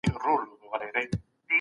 په کتاب کي د مينې پېچلې کيسې دي.